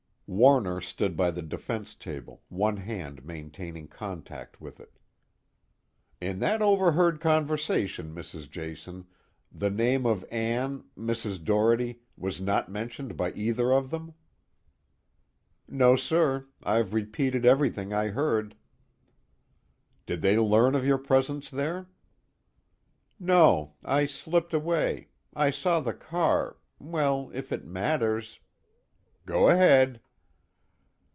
Warner stood by the defense table, one hand maintaining contact with it. "In that overheard conversation, Mrs. Jason, the name of Ann Mrs. Doherty was not mentioned by either of them?" "No, sir. I've repeated everything I heard." "Did they learn of your presence there?" "No. I slipped away. I saw the car well, if it matters " "Go ahead."